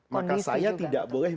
maka saya tidak boleh